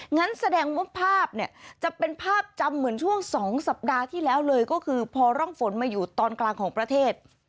งั้นแสดงว่าภาพเนี่ยจะเป็นภาพจำเหมือนช่วง๒สัปดาห์ที่แล้วเลยก็คือพอร่องฝนมาอยู่ตอนกลางของประเทศ